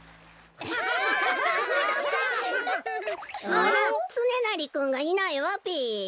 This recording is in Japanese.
あらつねなりくんがいないわべ。